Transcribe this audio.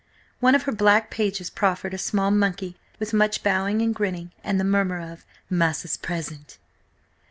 One of her black pages proffered a small monkey with much bowing and grinning, and the murmur of: "Massa's present."